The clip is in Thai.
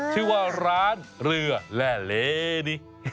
ชื่อว่าร้านเรือแหละเลนี่